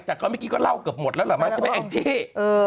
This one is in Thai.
แต่เขาเมื่อกี้ก็เล่าเกือบหมดแล้วเหรอแม่งเจ๊